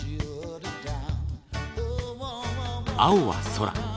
青は空。